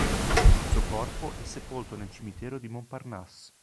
Il suo corpo è sepolto nel cimitero di Montparnasse.